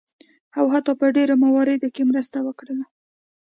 او حتی په ډیرو مواردو کې مرسته وکړله.